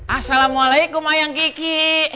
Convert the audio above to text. assalamualaikum ayang kiki